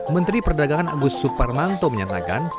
menteri perdagangan agus suparmanto menyatakan